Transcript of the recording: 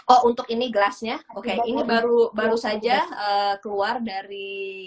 oh untuk ini gelasnya oke ini baru baru saja keluar dari